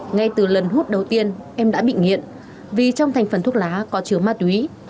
ngay từ lần hút đầu tiên em đã bị nghiện vì trong thành phần thuốc lá có chứa ma túy